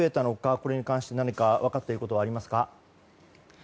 これに関して何か分かっていることはありますか？